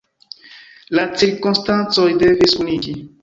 La cirkonstancoj devis kuniĝi.